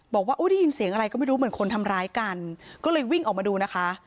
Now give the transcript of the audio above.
บอกว่าได้ยินเสียงอะไรก็ไม่รู้เหมือนคนทำร้ายกันก็เลยวิ่งออกมาดูนะคะ